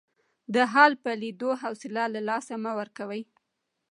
د حال په لیدو حوصله له لاسه مه ورکوئ.